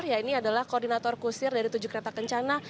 ya ini adalah koordinator kusir dari tujuh kereta kencana